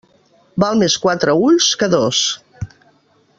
Val més quatre ulls que dos.